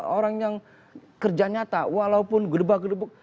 orang yang kerja nyata walaupun gede bagede